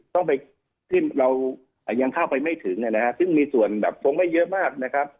ต้องไปที่เรายังเข้าไปไม่ถึงนะฮะซึ่งมีส่วนแบบคงไม่เยอะมากนะครับ